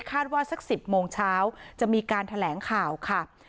สัก๑๐โมงเช้าจะมีการแถลงข่าวค่ะ